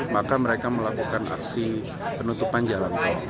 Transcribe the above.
maka mereka melakukan aksi penutupan jalan tol